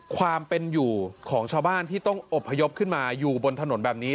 ความเป็นอยู่ของชาวบ้านที่ต้องอบพยพขึ้นมาอยู่บนถนนแบบนี้